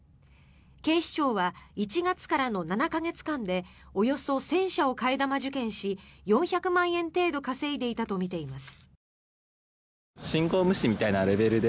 警視庁は１月からの７か月間でおよそ１０００社を替え玉受験し４００万円程度稼いでいたとみています。